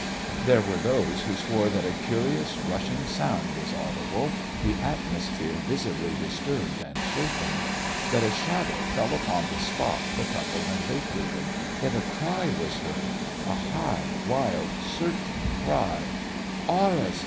There were those who swore that a curious, rushing sound was audible, the atmosphere visibly disturbed and shaken; that a shadow fell upon the spot the couple had vacated; that a cry was heard, a high, wild, searching cry: "Horus!